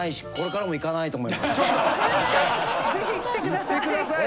ぜひ来てください。